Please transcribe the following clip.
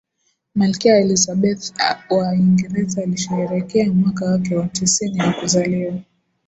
malkia elizabeth wa uingereza alisherehekea mwaka wake wa tisini wa kuzaliwa